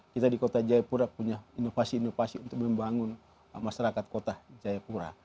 kita di kota jayapura punya inovasi inovasi untuk membangun masyarakat kota jayapura